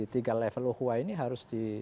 tiga level ukhwah ini harus